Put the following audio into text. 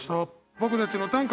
僕たちの短歌